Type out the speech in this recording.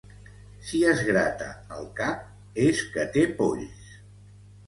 Si es grata el cap, és que té polls.